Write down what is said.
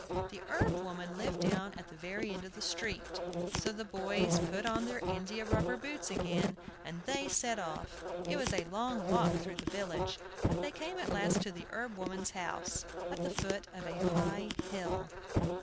The herb woman lived down at the very end of the street; so the boys put on their india rubber boots again, and they set off. It was a long walk through the village, but they came at last to the herb woman's house, at the foot of a high hill.